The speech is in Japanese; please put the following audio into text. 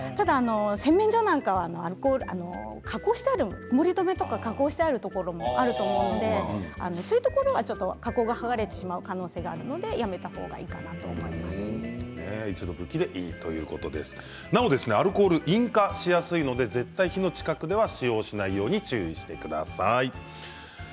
洗面所なんかは加工してある、曇り止め加工がしてある場合もあるのでそういうところは加工が剥がれてしまう可能性があるので、やめた方がいいかなとなおアルコールは引火しやすいので絶対に火の近くでは使用しないように注意してください。